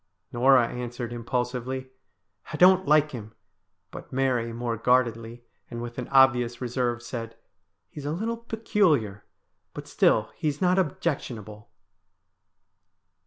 Norah answered im pulsively, ' I don't like him '; but Mary more guardedly, and with an obvious reserve, said, ' He's a little peculiar, but still he is not objectionable.'